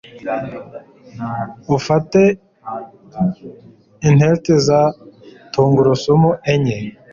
ufate intete za tungurusumu enye